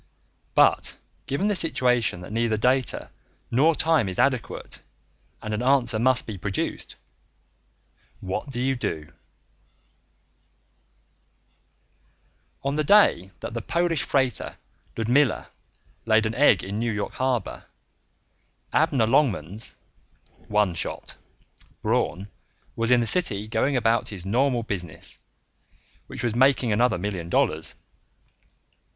But given the situation that neither data nor time is adequate, and an answer must be produced ... what do you do?_ BY JAMES BLISH Illustrated by van Dongen On the day that the Polish freighter Ludmilla laid an egg in New York harbor, Abner Longmans ("One Shot") Braun was in the city going about his normal business, which was making another million dollars.